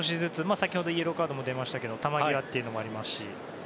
先ほどイエローカードも出ましたけども球際というのもありますし。